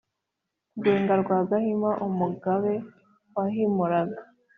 rwenga rwa gahima, umugabe wahimuraga